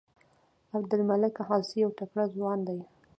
عبدالمالک عاصي یو تکړه ځوان دی.